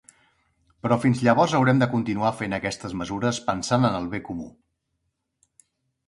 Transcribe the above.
Però fins llavors haurem de continuar fent aquestes mesures pensant en el bé comú.